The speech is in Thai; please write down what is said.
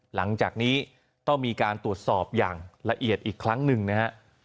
หลังจากนี้ต้องมีการตรวจสอบอย่างละเอียดอีกครั้งหนึ่งนะฮะ